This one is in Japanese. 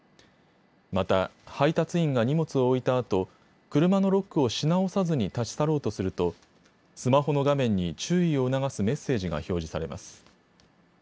また配達員が荷物を置いたあと車のロックをし直さずに立ち去ろうとするとスマホの画面に注意を促すメッセージが表示されます。